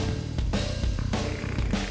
eh mbak be